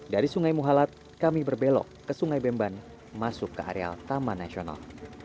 dari sungai muhalat kami berbelok ke sungai bemban masuk ke areal taman nasional